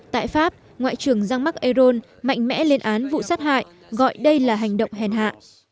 tại pháp ngoại trưởng jean marc ayron mạnh mẽ lên án vụ sát hại gọi đây là hành động hèn hạ